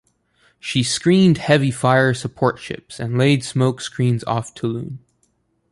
She screened heavy fire support ships and laid smoke screens off Toulon.